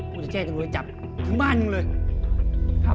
มันก็จะย้ายจะไม่จับ